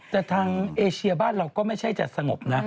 แต่ทางเอเชียบ้านเราก็ไม่ใช่จะสงบนะ